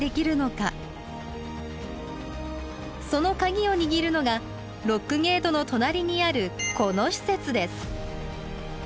そのカギを握るのがロックゲートの隣にあるこの施設です。